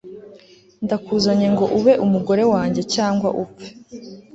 ndakuzanye ngo ube umugore wanjye cyangwa upfe